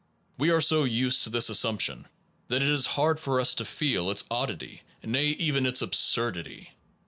We are so used to this as sumption that it is hard for us to feel its oddity, nay, even its ab surdity.